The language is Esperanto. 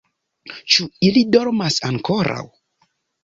Ĉu ili dormas ankoraŭ?